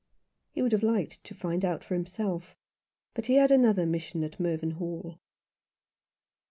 He would have liked to find out for himself; but he had another mission at Mervynhall.